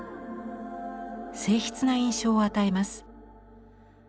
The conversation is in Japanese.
静謐な印象を与えます。